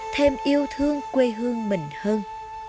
thêm yêu thương quê hương mình hơn